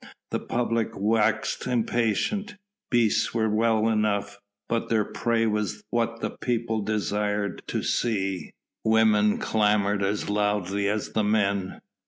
The public waxed impatient. Beasts were well enough, but their prey was what the people desired to see. Women clamoured as loudly as the men.